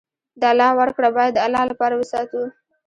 د الله ورکړه باید د الله لپاره وساتو.